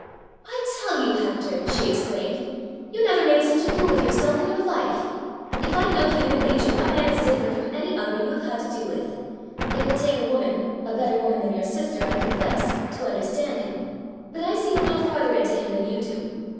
"I tell you, Hector," she exclaimed, "you never made such a fool of yourself in your life! If I know human nature, that man is different from any other you have had to do with. It will take a woman, a better woman than your sister, I confess, to understand him; but I see a little farther into him than you do.